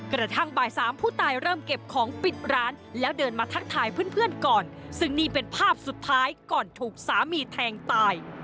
กระทั่งบ่ายสามผู้ตายเริ่มเก็บของปิดร้านแล้วเดินมาทักทายเพื่อนก่อนซึ่งนี่เป็นภาพสุดท้ายก่อนถูกสามีแทงตาย